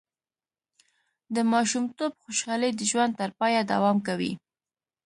د ماشومتوب خوشحالي د ژوند تر پایه دوام کوي.